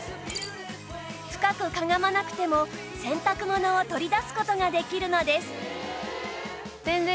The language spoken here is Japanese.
深くかがまなくても洗濯物を取り出す事ができるのです